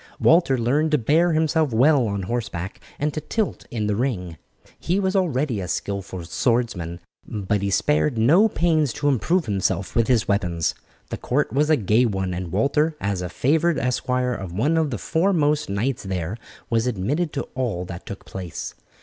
Walter learned to bear himself well on horseback and to tilt in the ring. He was already a skilful swordsman, but he spared no pains to improve himself with his weapons. The court was a gay one, and Walter, as a favoured esquire of one of the foremost knights there, was admitted to all that took place.